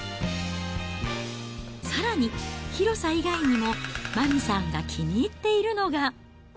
さらに、広さ以外にも麻美さんが気に入っているのが。